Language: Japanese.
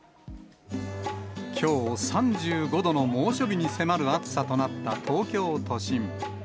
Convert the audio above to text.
きょう、３５度の猛暑日に迫る暑さとなった東京都心。